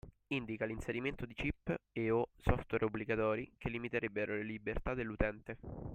Indica l'inserimento di chip e/o software obbligatori che limiterebbero le libertà dell'utente.